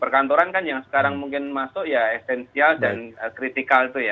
perkantoran kan yang sekarang mungkin masuk ya esensial dan kritikal itu ya